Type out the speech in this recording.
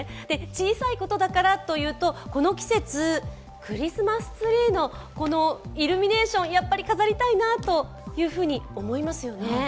小さいことだからというと、この季節、クリスマスツリーのイルミネーション飾りたいなというふうに思いますよね。